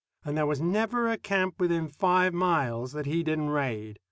And there was never a camp within five miles that he didn't raid.